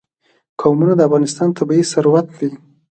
قومونه د افغانستان طبعي ثروت دی.